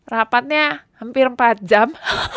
rapatnya hampir empat jam